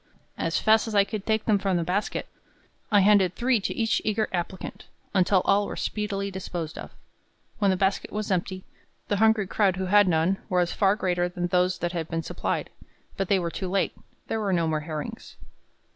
As fast as I could take them from the basket, I handed three to each eager applicant, until all were speedily disposed of. When the basket was empty, the hungry crowd who had none, was far greater than those that had been supplied; but they were too late; there were no more herrings.